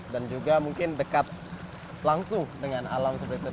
dan juga mungkin dekat langsung dengan alam seperti itu